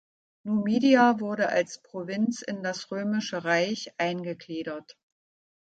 Numidia wurde als Provinz in das Römische Reich eingegliedert.